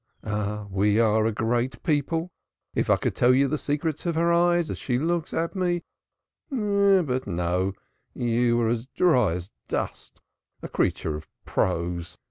Ah, we are a great people. If I could tell you the secrets of her eyes as she looks at me but no, you are dry as dust, a creature of prose!